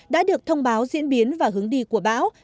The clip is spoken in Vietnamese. đã được thông báo diễn biến và hướng đi của bão